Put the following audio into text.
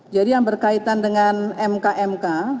jadi yang berkaitan dengan mk mk